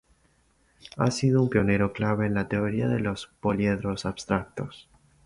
Ha sido un pionero clave en la teoría de poliedros abstractos.